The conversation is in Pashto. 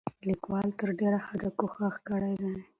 لیکوال تر ډېره حده کوښښ کړی دی،